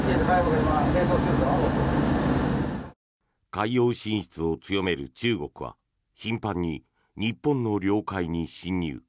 海洋進出を強める中国は頻繁に日本の領海に侵入。